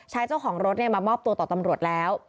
เจ้าของรถมามอบตัวต่อตำรวจแล้ว